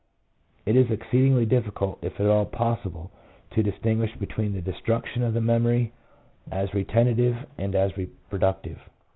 It is exceedingly difficult, if at all possible, to dis tinguish between the destruction of the memory as retentive and as reproductive.